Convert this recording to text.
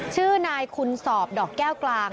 ชื่อนายคุณสอบดอกแก้วกลาง